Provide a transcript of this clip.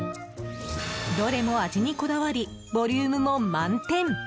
どれも味にこだわりボリュームも満点！